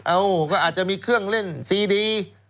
เอ้าก็อาจจะมีเครื่องเล่นซีดี